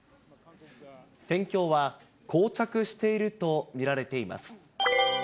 戦況はこう着していると見られています。